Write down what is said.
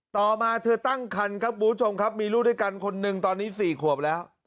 ต่อมาเธอตั้งคันครับมีลูกด้วยกันคนหนึ่งตอนนี้๔ขวบแล้ว